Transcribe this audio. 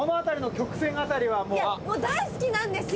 もう大好きなんですよ。